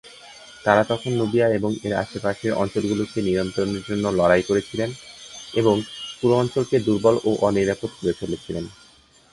তারা তখন নুবিয়া এবং এর আশেপাশের অঞ্চলগুলিকে নিয়ন্ত্রণের জন্য লড়াই করেছিল এবং পুরো অঞ্চলকে দুর্বল ও অনিরাপদ করে ফেলেছিল।